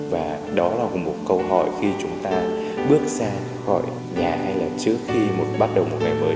và đó là một câu hỏi khi chúng ta bước ra khỏi nhà hay là trước khi bắt đầu một ngày mới